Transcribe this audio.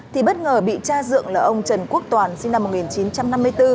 thì bất ngờ bị cha dượng là ông trần quốc toàn sinh năm một nghìn chín trăm năm mươi bốn